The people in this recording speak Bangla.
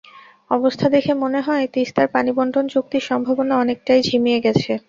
অবস্থা দেখে মনে হয়, তিস্তার পানিবণ্টন চুক্তির সম্ভাবনা অনেকটাই ঝিমিয়ে গেছে।